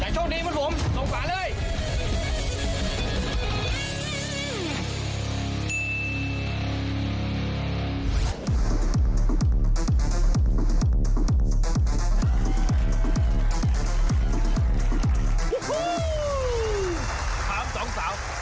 โชคดีบ้างผมลงฝ่าเลย